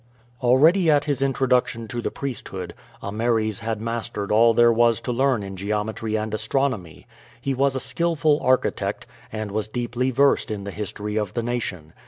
Already at his introduction to the priesthood, Ameres had mastered all there was to learn in geometry and astronomy. He was a skillful architect, and was deeply versed in the history of the nation.